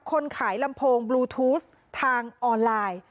คนขายลำโพงบลูทูสทางออนไลน์